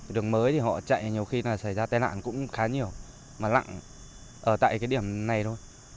đường mới thì họ chạy nhiều khi là xảy ra tai nạn cũng khá nhiều mà lặng ở tại cái điểm này thôi